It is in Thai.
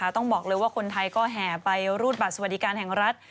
ต้องบอกเลยว่าคนไทยก็แห่ไปรูดบัตรสวัสดิการแห่งรัฐ